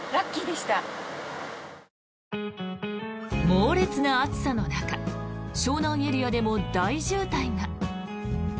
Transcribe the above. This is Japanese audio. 猛烈な暑さの中湘南エリアでも大渋滞が。